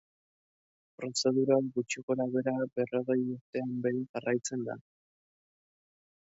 Prozedura hau gutxi gorabehera berrogei urtean behin jarraitzen da.